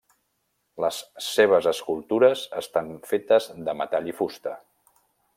Les seves escultures estan fetes de metall i fusta.